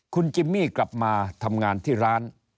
คุณจิมมี่กลับมาทำงานที่ร้าน